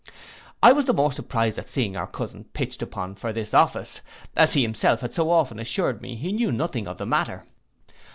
I was the more surprised at seeing our cousin pitched upon for this office, as he himself had often assured me he knew nothing of the matter.